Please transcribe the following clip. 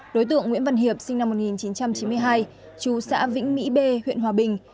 đối tượng nguyễn văn hiệp sinh năm một nghìn chín trăm chín mươi hai chú xã vĩnh mỹ b huyện hòa bình